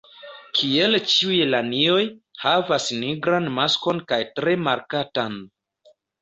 Kiel ĉiuj lanioj, havas nigran maskon kaj tre markatan.